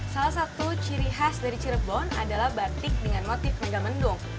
salah satu ciri khas dari cirebon adalah batik dengan motif megamendung